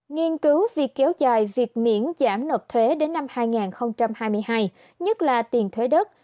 nghiên cứu việc kéo dài việc miễn giảm nộp thuế đến năm hai nghìn hai mươi hai nhất là tiền thuế đất